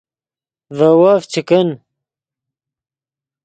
ڤے وف چے کن